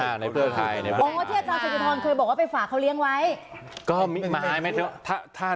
อะโฮเทพฟรรทรัทน์เคยบอกว่าไปฝากเขาเลี้ยงไว้